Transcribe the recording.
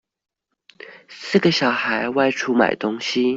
四個小孩外出買東西